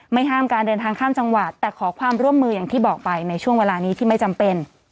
ห้ามการเดินทางข้ามจังหวัดแต่ขอความร่วมมืออย่างที่บอกไปในช่วงเวลานี้ที่ไม่จำเป็น